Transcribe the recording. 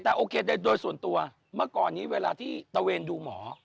แต่โอเคโดยส่วนตัวเมื่อก่อนนี้เวลาที่ตะเวนดูหมอ